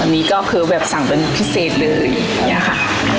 ตอนนี้ก็คือแบบสั่งเป็นพิเศษเลยนะค่ะ